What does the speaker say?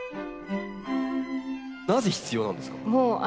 なぜ必要なんですか？